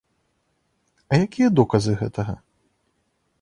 А якія доказы гэтага?